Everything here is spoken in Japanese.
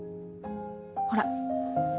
ほら。